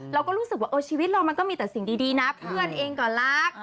เราก็รู้สึกว่าชีวิตเรามันก็มีแต่สิ่งดีนะเพื่อนเองก็รัก